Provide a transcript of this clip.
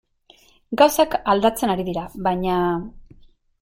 Gauzak aldatzen ari dira, baina...